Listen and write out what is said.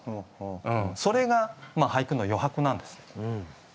それが俳句の余白なんです。